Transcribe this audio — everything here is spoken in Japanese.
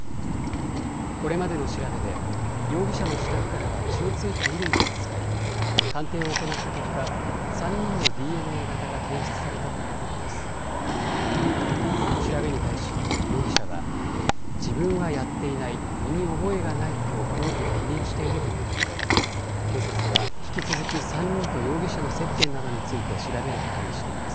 これまでの調べで容疑者の自宅からは血のついた衣類が見つかり鑑定を行った結果、３人のＤＮＡ型が検出されたということです。